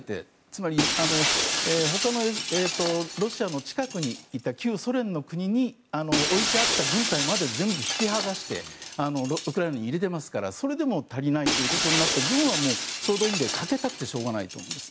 つまりほかのロシアの近くにいた旧ソ連の国に置いてあった軍隊まで全部引き剥がしてウクライナに入れていますからそれでも足りないということになって軍は総動員令をかけたくてしょうがないと思うんです。